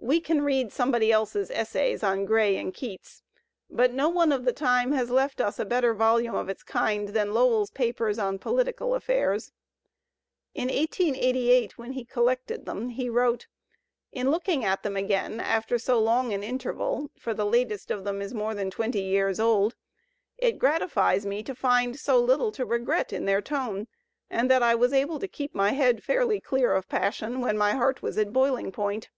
We can read somebody else's essays on Gray and Keats, but no one of the time has left us a better voliune of its kind than Lowell's papers on political a£Fairs. In 1888 when he col lected them he wrote: "In looking at them again after so long an interval (for the latest of them is more than twenty years old) it gratifies me to find so little to regret in their tone, and that I was able to keep my head fairly clear of passion when my heart was at boiling point."